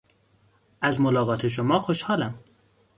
از ملاقات شما خوشحالم.